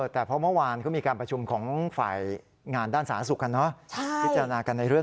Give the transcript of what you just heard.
แต่เพราะเมื่อวานก็มีการประชุมของฝ่ายงานด้านสาธารณสุขกันเนอะ